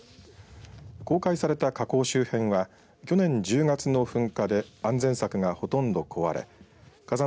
公開された火口周辺は去年１０月の噴火で安全柵がほとんど壊れ火山